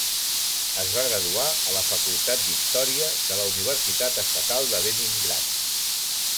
Es va graduar a la Facultat d'Història de la Universitat Estatal de Leningrad.